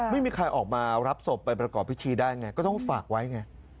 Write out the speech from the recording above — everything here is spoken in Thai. ไม่มีใครออกมารับศพไปประกอบพิธีได้ไงก็ต้องฝากไว้ไง